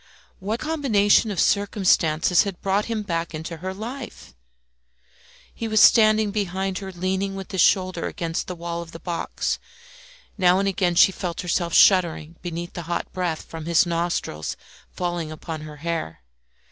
What combination of circumstances had brought him back into her life? He was standing behind her, leaning with his shoulder against the wall of the box; now and again she felt herself shuddering beneath the hot breath from his nostrils falling upon her hair.